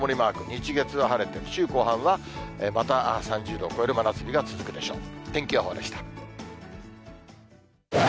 日、月は晴れて、週後半はまた３０度を超える真夏日が続くでしょう。